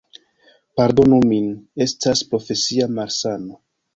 Pardonu min, estas profesia malsano.